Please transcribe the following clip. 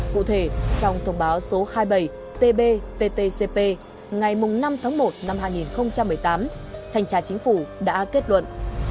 cụ thể trong thông báo số hai mươi bảy tb ttcp ngày năm tháng một năm hai nghìn một mươi tám thành trà chính phủ đã kết luận